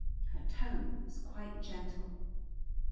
Her tone was quite gentle.